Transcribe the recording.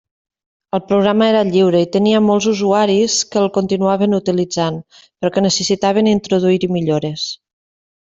El programa era lliure, i tenia molts usuaris que el continuaven utilitzant, però que necessitaven introduir-hi millores.